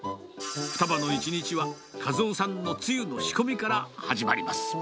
ふたばの１日は、和夫さんのつゆの仕込みから始まります。